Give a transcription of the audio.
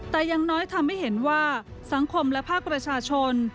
แต่ยังน้อยทำให้เห็นว่าสังคมและภาคประชาชน